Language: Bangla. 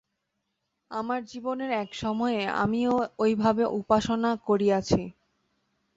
আমার জীবনের এক সময়ে আমিও ঐভাবে উপাসনা করিয়াছি।